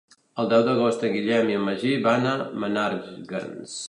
El deu d'agost en Guillem i en Magí van a Menàrguens.